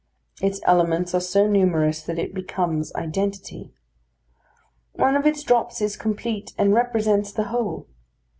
Its elements are so numerous that it becomes identity. One of its drops is complete, and represents the whole.